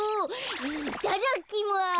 いただきます。